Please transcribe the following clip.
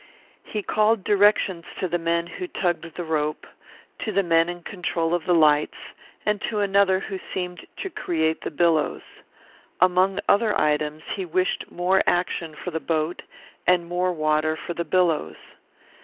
He called directions to the men who tugged the rope, to the men in control of the lights, and to another who seemed to create the billows. Among other items he wished more action for the boat and more water for the billows.